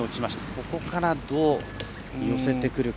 ここから、どう寄せてくるか。